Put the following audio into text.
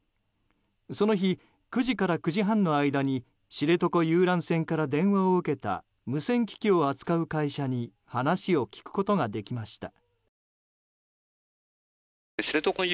その日、９時から９時半の間に知床遊覧船から電話を受けた無線機器を扱う会社に話を聞くことができました。